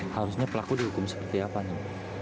harusnya pelaku dihukum seperti apa nih